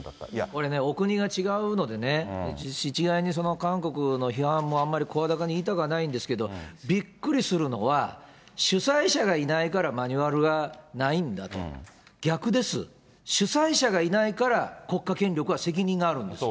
これ、お国が違うのでね、一概に韓国の批判もあんまり声高に言いたくないんですけれども、びっくりするのは、主催者がいないからマニュアルがないんだと、逆です、主催者がいないから国家権力は責任があるんです。